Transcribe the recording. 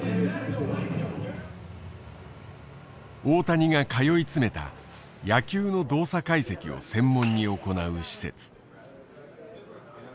大谷が通い詰めた野球の動作解析を専門に行う施設。